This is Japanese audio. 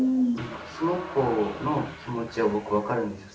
その子の気持ちは僕分かるんですよ